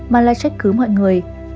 mà là trách cứu mọi người